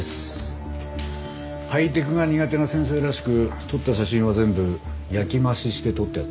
ハイテクが苦手な先生らしく撮った写真は全部焼き増しして取ってあったぜ。